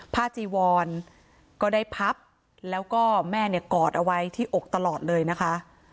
จีวรก็ได้พับแล้วก็แม่เนี่ยกอดเอาไว้ที่อกตลอดเลยนะคะ